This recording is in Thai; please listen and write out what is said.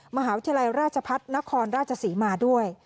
มหาวิทยาลัยราชพัฒนครราชศรีมาด้วย